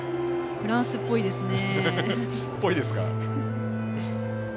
フランスっぽいですね。